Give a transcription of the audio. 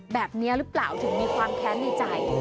แบบนี้หรือเปล่าถึงมีความแค้นในใจ